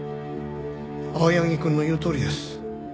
青柳くんの言うとおりです。